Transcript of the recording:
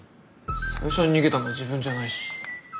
最初に逃げたのは自分じゃないし。